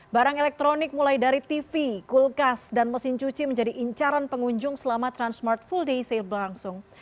barang elektronik mulai dari tv kulkas dan mesin cuci menjadi incaran pengunjung selama transmart full day sale berlangsung